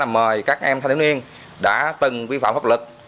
mời các em thanh thiếu niên đã từng vi phạm pháp lực